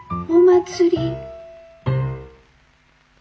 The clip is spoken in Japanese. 「お祭り」。